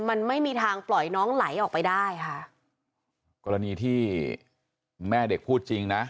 มันไม่มีทางปล่อยน้องไหลออกไปได้ค่ะกรณีที่แม่เด็กพูดจริงนะ